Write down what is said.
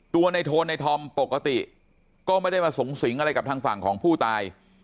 ตัวในโทนในธอมปกติก็ไม่ได้มาสูงสิงอะไรกับทางฝั่งของผู้ตาย